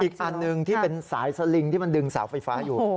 อีกอันหนึ่งที่เป็นสายสลิงที่มันดึงเสาไฟฟ้าอยู่